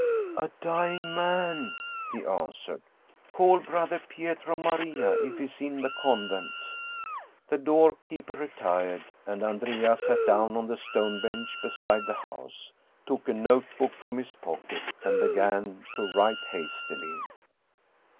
" A dying man," he answered. " Call brother Pietro Maria if he is in the convent." The doorkeeper retired, and Andrea sat down on the stone bench beside the house, took a notebook from his pocket and began to write hastily.